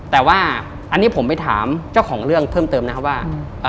แต่ว่าอันนี้ผมไปถามเจ้าของเรื่องเพิ่มเติมนะครับว่า